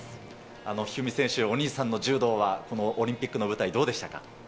一二三選手、お兄さんの柔道はこのオリンピックの舞台、どうでしたか？